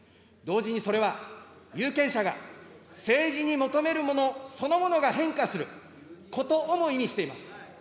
同時にそれは、有権者が政治に求めるものそのものが変化することをも意味しています。